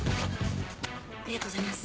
ありがとうございます。